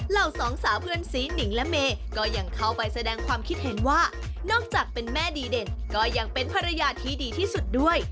เหล่าสองสาวเพื่อนสีหนิงและเมย์ก็ยังเข้าไปแสดงความคิดเห็นว่านอกจากเป็นแม่ดีเด่นก็ยังเป็นภรรยาที่ดีที่สุดด้วย